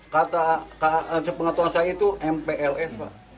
kata pengetahuan saya itu mpls pak